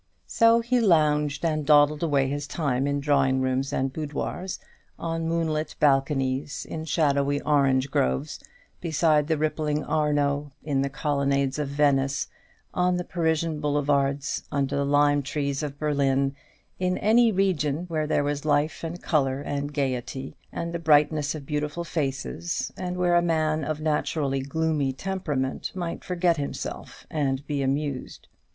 So he lounged and dawdled away his time in drawing rooms and boudoirs, on moonlit balconies, in shadowy orange groves, beside the rippling Arno, in the colonnades of Venice, on the Parisian boulevards, under the lime trees of Berlin, in any region where there was life and colour and gaiety, and the brightness of beautiful faces, and where a man of a naturally gloomy temperament might forget himself and be amused.